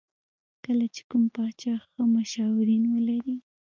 کله چې کوم پاچا ښه مشاورین ولري.